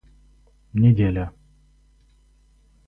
Неделя